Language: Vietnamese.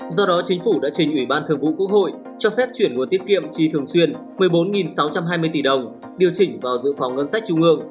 do đó chính phủ đã trình ủy ban thường vụ quốc hội cho phép chuyển nguồn tiết kiệm chi thường xuyên một mươi bốn sáu trăm hai mươi tỷ đồng điều chỉnh vào dự phòng ngân sách trung ương